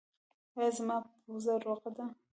ایا زما پوزه روغه ده؟